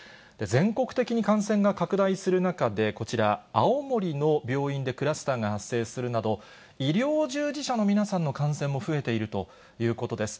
全国的に感染が拡大する中で、こちら、青森の病院でクラスターが発生するなど、医療従事者の皆さんの感染も増えているということです。